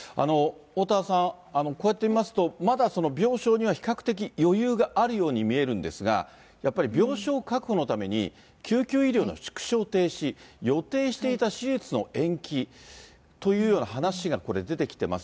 おおたわさん、こうやって見ますと、まだ病床には比較的余裕があるように見えるんですが、やっぱり病床確保のために、救急医療の縮小、停止、予定していた手術の延期、というような話がこれ、出てきてます。